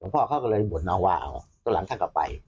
หลอกพ่อก็เลยบวนเอาว่าตัวหลังทางกลับไป